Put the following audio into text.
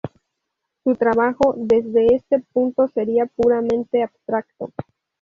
Su trabajo, desde este punto sería puramente abstracto.